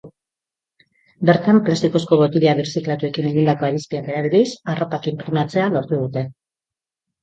Bertan, plastikozko botila birziklatuekin egindako harizpiak erabiliz, arropak inprimatzea lortu dute.